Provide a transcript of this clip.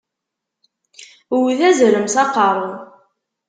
Wwet azrem s aqeṛṛu!